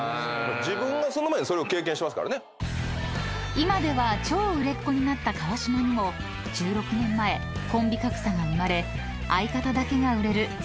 ［今では超売れっ子になった川島にも１６年前コンビ格差が生まれ］